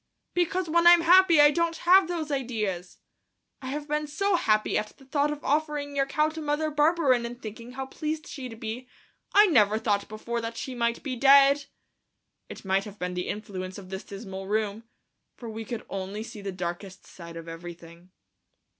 "Because when I'm happy I don't have those ideas. I have been so happy at the thought of offering your cow to Mother Barberin and thinking how pleased she'd be, I never thought before that she might be dead." It must have been the influence of this dismal room, for we could only see the darkest side of everything.